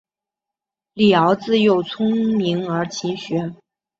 李鏊自幼聪明而勤学。